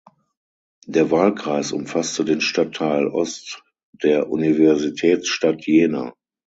Der Wahlkreis umfasste den Stadtteil Ost der Universitätsstadt Jena.